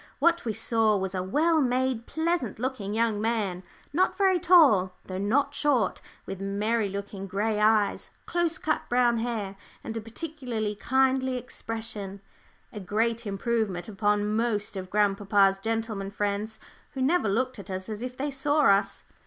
What we saw was a well made, pleasant looking young man, not very tall, though not short, with merry looking grey eyes, close cut brown hair, and a particularly kindly expression, a great improvement upon most of grandpapa's gentlemen friends, who never looked at us as if they saw us.